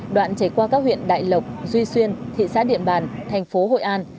đoạn chảy qua các huyện đại lộc duy xuyên thị xã điện bàn thành phố hội an